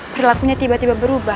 perlakunya tiba tiba berubah